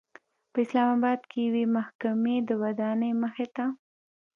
په اسلام آباد کې د یوې محکمې د ودانۍمخې ته